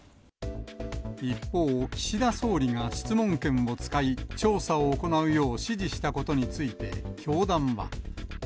一方、岸田総理が質問権を使い、調査を行うよう指示したことについて、教団は。